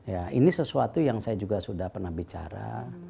ya ini sesuatu yang saya juga sudah pernah bicara